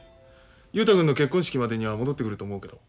雄太君の結婚式までには戻ってくると思うけど。